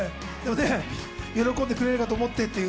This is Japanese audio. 喜んでくれるかと思ってっていう。